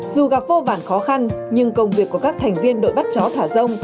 dù gặp vô vản khó khăn nhưng công việc của các thành viên đội bắt chó thả rông